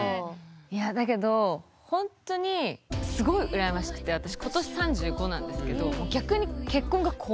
いやだけどほんとにすごい羨ましくて私今年３５なんですけどへえ。